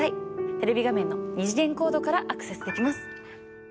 テレビ画面の二次元コードからアクセスできます。